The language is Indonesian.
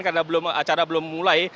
karena acara belum mulai